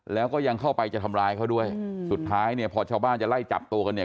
แล้วก็ยังเข้าไปจะทำร้ายเขาด้วยสุดท้ายเนี่ยพอชาวบ้านจะไล่จับตัวกันเนี่ย